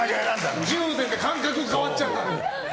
１０年で感覚変わっちゃった。